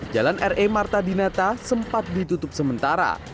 jalan re marta dinata sempat ditutup sementara